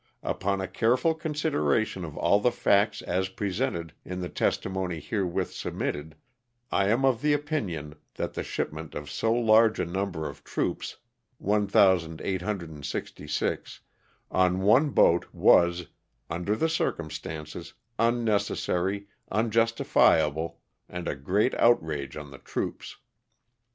Upon a careful consideration of all the facts as presented in the testimony herewith sub mitted, I am of the opinion that the shipment of so large a nuuiber of troops (1,866), on one boat, was, under the circum stances, unnecessary, unjustifiable, and a great outrage on the troops.